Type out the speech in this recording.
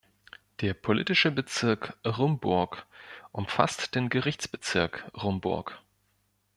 Der politische Bezirk Rumburg umfasste den Gerichtsbezirk Rumburg.